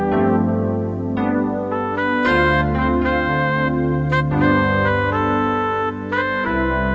hojo sudah bebas